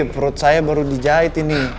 perut saya baru dijahit ini